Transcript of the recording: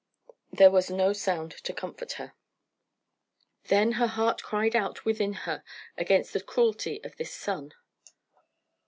There was no sound of comfort to her. Then her heart cried out within her against the cruelty of this son.